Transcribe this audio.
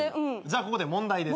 じゃあここで問題です。